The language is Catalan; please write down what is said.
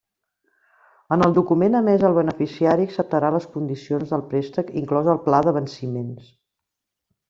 En el document emés el beneficiari acceptarà les condicions del préstec, inclòs el pla de venciments.